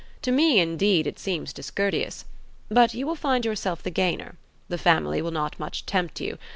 To me, indeed, it seems discourteous. But you will find yourself the gainer. The family will not much tempt you.